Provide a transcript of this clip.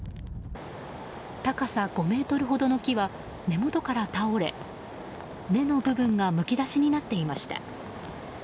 高さ５ｍほどの木は根元から倒れ根の部分がむき出しになっていました。